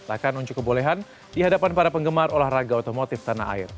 akan unjuk kebolehan di hadapan para penggemar olahraga otomotif tanah air